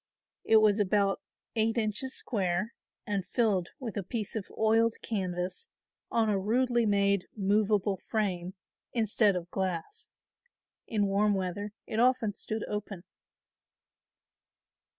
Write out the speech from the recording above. It was about eight inches square and filled with a piece of oiled canvas on a rudely made movable frame instead of glass. In warm weather it often stood open.